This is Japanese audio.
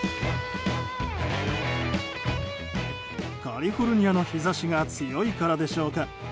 カリフォルニアの日差しが強いからでしょうか。